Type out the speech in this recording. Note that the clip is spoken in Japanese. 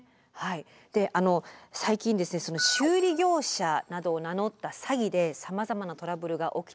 で最近修理業者などを名乗った詐欺でさまざまなトラブルが起きています。